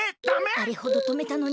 あれほどとめたのに。